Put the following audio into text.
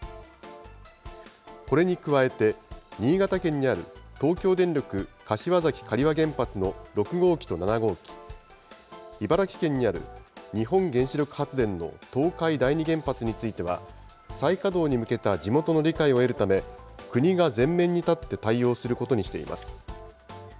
これに加えて、新潟県にある東京電力柏崎刈羽原発の６号機と７号機、茨城県にある日本原子力発電の東海第二原発については、再稼働に向けた地元の理解を得るため、国が前面に立って対応することにしています。